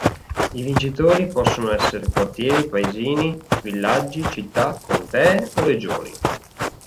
I vincitori possono essere quartieri, paesini, villaggi, città, contee o regioni.